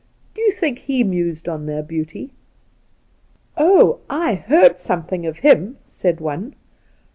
Do you think he mused on their beauty?' ' Oh, I heard something of him,' said one.